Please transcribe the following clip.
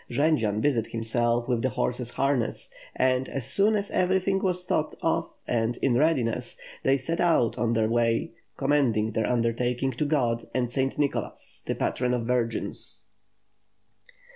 Jendzian busied himself with the horses' harness; and, as soon as every thing was thought of and in readiness, they set out on their way, commending their undertaking to God and Saint Nicho las, the patron of virgins.